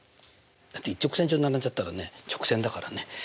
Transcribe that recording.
だって一直線上に並んじゃったらね直線だからね。